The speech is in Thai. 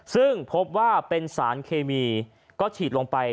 ซึ่งพบว่าเป็นสารเคมีก็ฉีดลงไป